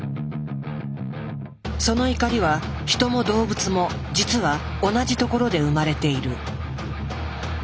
その怒りはヒトも動物も実は同じところで生まれている。